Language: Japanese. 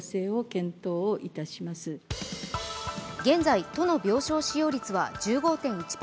現在、都の病床使用率は１５．１％。